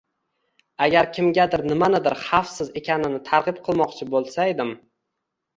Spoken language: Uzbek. Agar kimgadir nimanidir xavfsiz ekanini targʻib qilmoqchi boʻlsaydim.